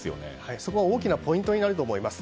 そこが大きなポイントになると思います。